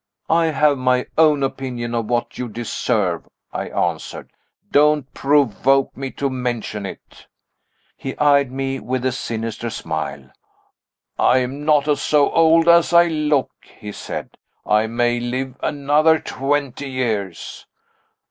"I have my own opinion of what you deserve," I answered. "Don't provoke me to mention it." He eyed me with a sinister smile. "I am not so old as I look," he said; "I may live another twenty years!"